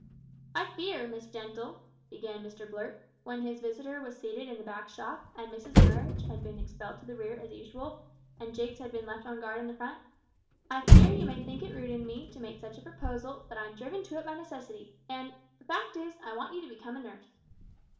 "I fear, Miss Gentle," began Mr Blurt, when his visitor was seated in the back shop, and Mrs Murridge had been expelled to the rear as usual, and Jiggs had been left on guard in the front "I fear that you may think it rude in me to make such a proposal, but I am driven to it by necessity, and the fact is, I want you to become a nurse."